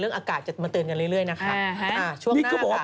เรื่องอากาศจะมาเตินน่ะนะฮะช่วงหน้าค่ะนี่ก็บอกว่า